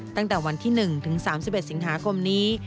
ตั้งแต่วันที่๑ถึง๓๑สิงหาคมนี้